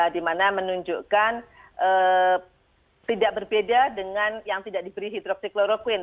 dimana menunjukkan tidak berbeda dengan yang tidak diberi hidroksikloroquine